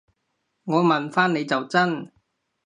我問返你就真